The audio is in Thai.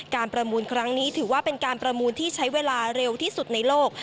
ประมูลครั้งนี้ถือว่าเป็นการประมูลที่ใช้เวลาเร็วที่สุดในโลก